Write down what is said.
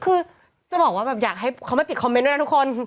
คือจะบอกว่าแบบอยากให้เขามาปิดคอมเมนต์ด้วยนะทุกคน